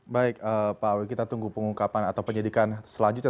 baik pak wi kita tunggu pengungkapan atau penyelidikan selanjutnya